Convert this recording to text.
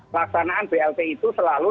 pelaksanaan blt itu selalu